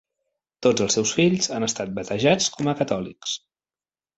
Tots els seus fills han estat batejats com a catòlics.